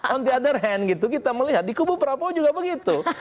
on the other hand kita melihat di kubu prabowo juga begitu